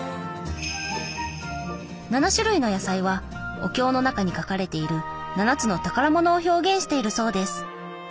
７種類の野菜はお経の中に書かれている７つの宝物を表現しているそうです。